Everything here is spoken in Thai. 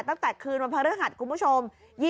ตั้งแต่คืนวันพระฤหัสคุณผู้ชม